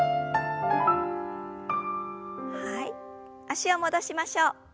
脚を戻しましょう。